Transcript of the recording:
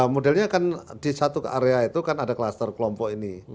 modelnya kan di satu area itu kan ada kluster kelompok ini